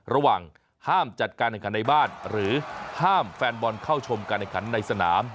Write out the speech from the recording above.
ระหว่างห้ามจัดการในสนามในบ้านหรือห้ามแฟนบอลเข้าชมการในสนาม